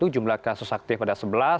jumlah kasus aktif pada sebelas